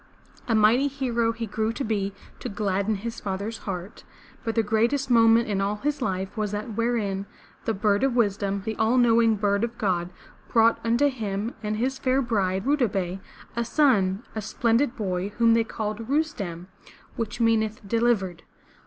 A mighty hero he grew to be to gladden his father's heart, but the greatest moment in all his life was that wherein the Bird of Wis dom, the all knowing Bird of God, brought unto him and his fair bride Ru da beh', a son, a splendid boy whom they called Rus'tem, which meaneth "delivered.''